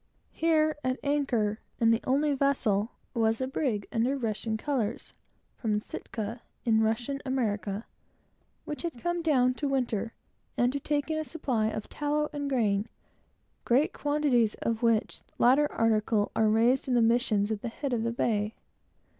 Here, at anchor, and the only vessel, was a brig under Russian colors, from Asitka, in Russian America, which had come down to winter, and to take in a supply of tallow and grain, great quantities of which latter article are raised in the missions at the head of the bay.